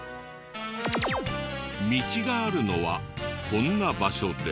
道があるのはこんな場所で。